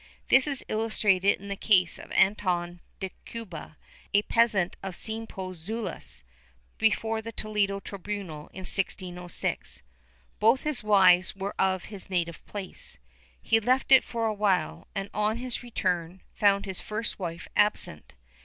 ^ This is illustrated in the case of Anton de Cueba, a peasant of Cienpozuelos, before the Toledo tribunal in 160G. Both his wives were of his native place. He left it for awhile and on his return found his first wife absent.